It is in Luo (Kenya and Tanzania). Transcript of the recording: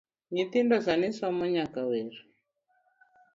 Nyithindo sani somomnyaka wer